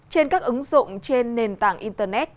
trên các ứng dụng trên nền tảng internet